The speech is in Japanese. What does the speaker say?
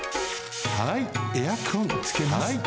はいエアコンつけます。